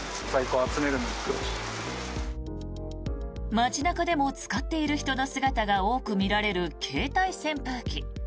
街中でも使っている人の姿が多く見られる携帯扇風機。